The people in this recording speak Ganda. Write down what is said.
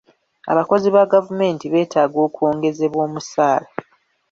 Abakozi ba gavumenti beetaaga okwongezebwa omusaala